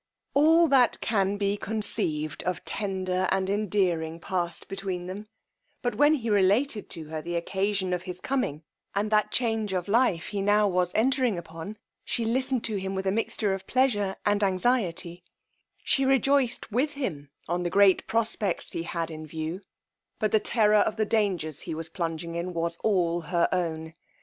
All that can be conceived of tender and endearing past between them; but when he related to her the occasion of his coming, and that change of life he now was entering upon, she listened to him with a mixture of pleasure and anxiety: she rejoiced with him on the great prospects he had in view; but the terror of the dangers he was plunging in was all her own.